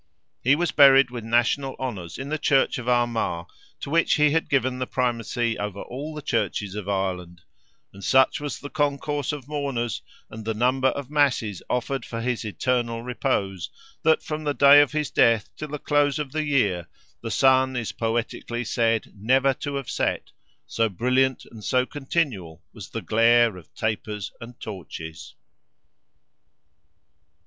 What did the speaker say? He was buried with national honours in the Church of Armagh, to which he had given the Primacy over all the churches of Ireland; and such was the concourse of mourners, and the number of Masses offered for his eternal repose, that from the day of his death till the close of the year, the sun is poetically said never to have set—so brilliant and so continual was the glare of tapers and torches.